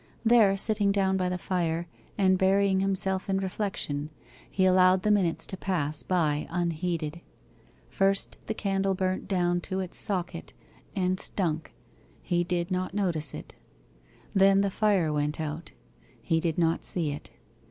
There sitting down by the fire, and burying himself in reflection, he allowed the minutes to pass by unheeded. First the candle burnt down in its socket and stunk: he did not notice it. Then the fire went out: he did not see it.